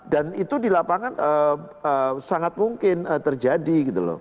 dan itu di lapangan sangat mungkin terjadi